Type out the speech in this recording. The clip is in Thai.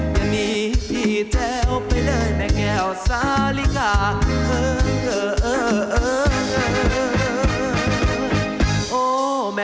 อย่างนี้พี่แจ้วไปเลยแม่แก้วสาลิกา